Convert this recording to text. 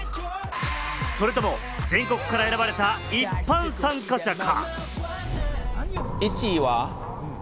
それとも全国から選ばれた、一般参加者か？